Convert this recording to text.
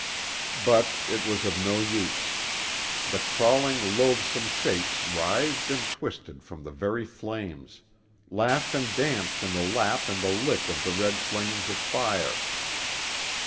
But, it was of no use. The crawling, loathsome shapes writhed and twisted from the very flames laughed and danced in the lap and the lick of the red flames of fire.